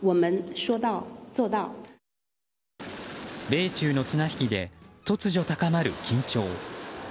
米中の綱引きで突如高まる緊張。